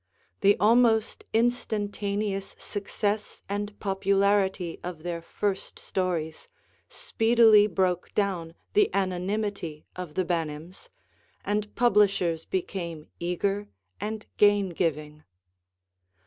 The almost instantaneous success and popularity of their first stories speedily broke down the anonymity of the Banims, and publishers became eager and gain giving.